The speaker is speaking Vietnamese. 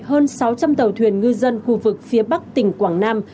hơn sáu trăm linh tàu thuyền ngư dân khu vực phía bắc tỉnh quảng nam